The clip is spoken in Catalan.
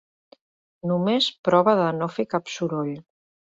Només prova de no fer cap soroll.